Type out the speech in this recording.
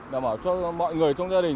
đảm bảo cho mọi người trong gia đình